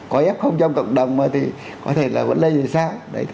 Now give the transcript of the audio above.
có ép không trong cộng đồng mà thì có thể là vẫn lây ra